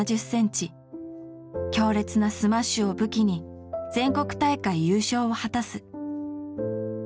強烈なスマッシュを武器に全国大会優勝を果たす。